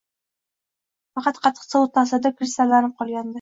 Faqat qattiq sovuq ta’sirida kristallanib qolgandi